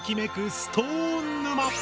「ストーン沼」！